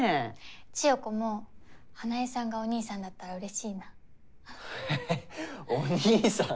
千世子も花井さんがお義兄さんだったらうれしいな。へへっ「お義兄さん」。